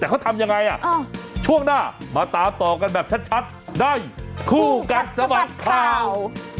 แต่เขาทำยังไงช่วงหน้ามาตามต่อกันแบบชัดในคู่กัดสะบัดข่าว